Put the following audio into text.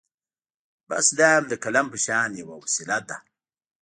بس دا هم د قلم په شان يوه وسيله ده.